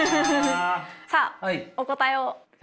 さあお答えを。